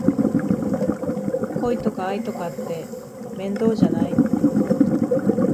恋とか愛とかって面倒じゃない？